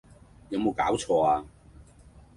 有冇搞錯呀！